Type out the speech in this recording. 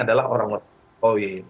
adalah orang orang pekowi